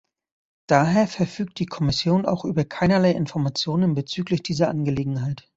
Daher verfügt die Kommission auch über keinerlei Informationen bezüglich dieser Angelegenheit.